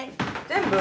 全部？